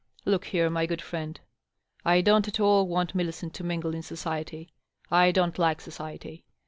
.. Look here, my good friend, I don^t at all want Millicent to mingle in society. I don't like society.